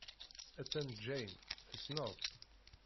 Attan Jane. Tessneḍ-tt?